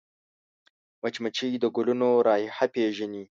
مچمچۍ د ګلونو رایحه پېژني